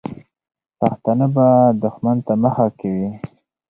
پښتانه به دښمن ته مخه کوي.